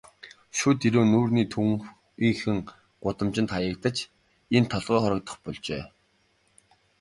Шүд эрүү нүүрний төвийнхөн гудамжинд хаягдаж, энд толгой хоргодох болжээ.